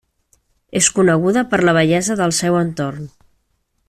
És coneguda per la bellesa del seu entorn.